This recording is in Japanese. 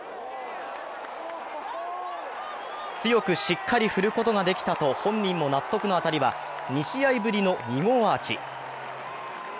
強くしっかり振ることができたと本人も納得の当たりは２試合ぶりの２号アーチ。